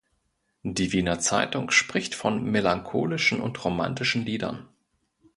Die Wiener Zeitung spricht von "melancholischen und romantischen Liedern".